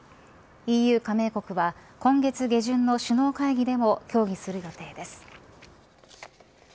ＥＵ加盟国は今月下旬の首脳会議でも協議する予定です。